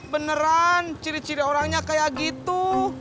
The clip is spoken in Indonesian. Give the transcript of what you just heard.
beneran ciri ciri orangnya kayak gitu